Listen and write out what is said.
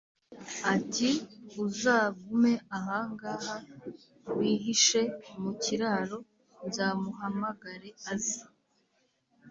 ati: “uzagume aha ngaha, wihishe mu kiraro, nzamuhamagare aze.